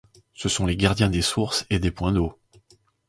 Ce sont les gardiens des sources et des points d'eau.